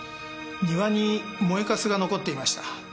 庭に燃えかすが残っていました。